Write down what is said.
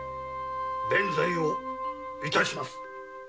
弁済をいたします。